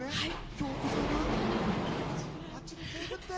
今日、お子さんは？